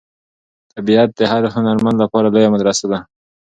طبیعت د هر هنرمند لپاره لویه مدرسه ده.